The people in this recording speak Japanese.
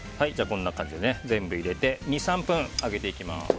こんな感じで全部入れて２３分揚げていきます。